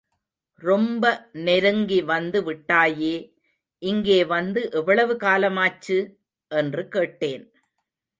ரொம்ப நெருங்கி வந்து விட்டாயே, இங்கே வந்து எவ்வளவு காலமாச்சு? என்று கேட்டேன்.